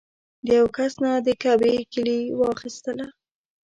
د یوه کس نه د کعبې کیلي واخیستله.